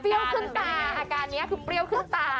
ขึ้นตาอาการนี้คือเปรี้ยวขึ้นตา